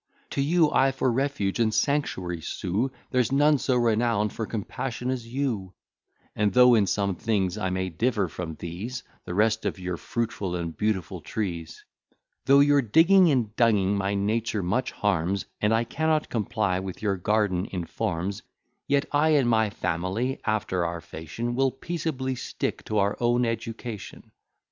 To you, I for refuge and sanctuary sue, There's none so renown'd for compassion as you; And, though in some things I may differ from these, The rest of your fruitful and beautiful trees; Though your digging and dunging, my nature much harms, And I cannot comply with your garden in forms: Yet I and my family, after our fashion, Will peaceably stick to our own education.